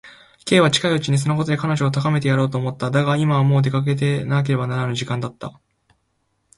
Ｋ は近いうちにそのことで彼女をとがめてやろうと思った。だが、今はもう出かけていかねばならぬ時間だった。